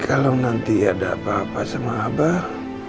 kalau nanti ada apa apa sama abah